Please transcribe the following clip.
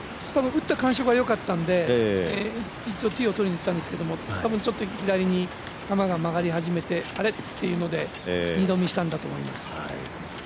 打った感触はよかったんで一度ティーを取りにいったんですけどちょっと左に球が曲がり始めてあれっていうので二度見したんだと思います。